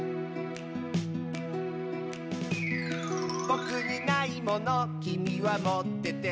「ぼくにないものきみはもってて」